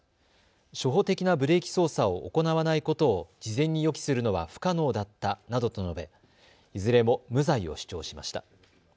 初歩的なブレーキ操作を行わないことを事前に予期するのは不可能だったなどと述べいずれも無罪を主張しました。